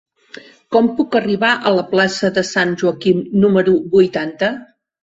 Com puc arribar a la plaça de Sant Joaquim número vuitanta?